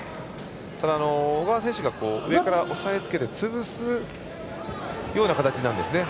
小川選手が上から押さえつけて潰すような形なんですね。